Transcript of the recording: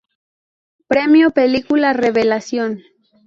Premio película revelación.